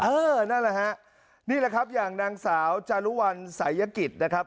เออนั่นแหละฮะนี่แหละครับอย่างนางสาวจารุวัลสายกิจนะครับ